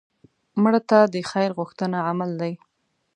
مړه ته د خیر غوښتنه عمل دی